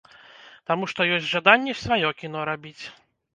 Таму што ёсць жаданне сваё кіно рабіць.